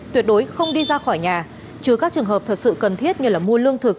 tuyệt đối không đi ra khỏi nhà trừ các trường hợp thật sự cần thiết như mua lương thực